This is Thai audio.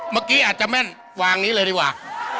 เมื่อกี้อาจจะแม่นวางนี้เลยดีกว่า